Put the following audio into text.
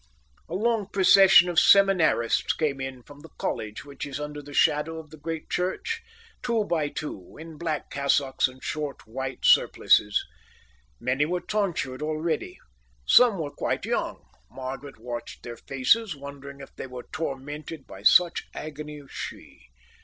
A long procession of seminarists came in from the college which is under the shadow of that great church, two by two, in black cassocks and short white surplices. Many were tonsured already. Some were quite young. Margaret watched their faces, wondering if they were tormented by such agony as she.